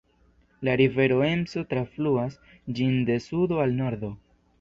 La rivero Emso trafluas ĝin de sudo al nordo.